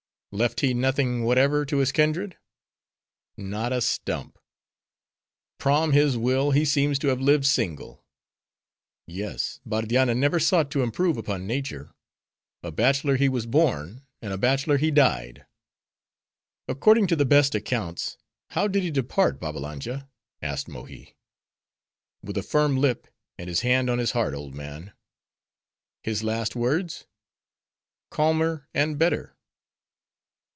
"Left he nothing whatever to his kindred?" "Not a stump." "Prom his will, he seems to have lived single." "Yes: Bardianna never sought to improve upon nature; a bachelor he was born, and a bachelor he died." "According to the best accounts, how did he depart, Babbalanja?" asked Mohi. "With a firm lip, and his hand on his heart, old man." "His last words?" "Calmer, and better!"